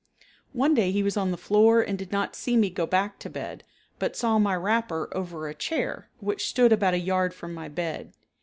One day he was on the floor and did not see me go back to bed, but saw my wrapper over a chair (which stood about a yard from my bed).